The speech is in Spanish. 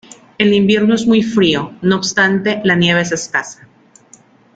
El invierno es muy frío, no obstante la nieve es escasa.